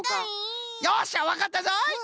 よっしゃわかったぞい！